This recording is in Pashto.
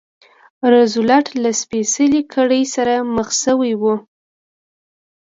روزولټ له سپېڅلې کړۍ سره مخ شوی و.